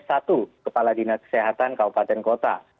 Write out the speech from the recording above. satu kepala dinas kesehatan kabupaten kota